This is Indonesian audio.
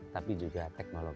tapi juga teknologi